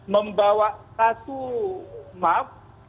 membawa satu map